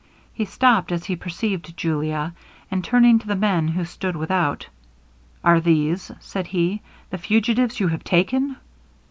He stopped as he perceived Julia; and turning to the men who stood without, 'Are these,' said he, 'the fugitives you have taken?'